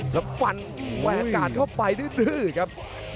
แล้วฟันแวกกาดเข้าไปดื้อครับ